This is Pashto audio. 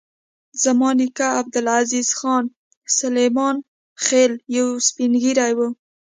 زما نیکه عبدالعزیز خان سلیمان خېل یو سپین ږیری و.